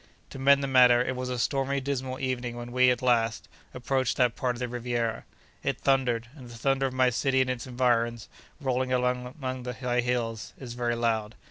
To mend the matter, it was a stormy dismal evening when we, at last, approached that part of the Riviera. It thundered; and the thunder of my city and its environs, rolling among the high hills, is very loud.